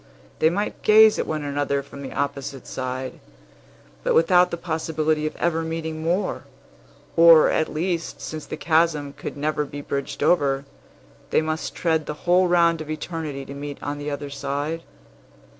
They might gaze at one another from the opposite side, but without the possibility of ever meeting more; or, at least, since the chasm could never be bridged over, they must tread the whole round of Eternity to meet on the other side.